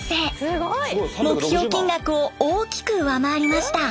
目標金額を大きく上回りました。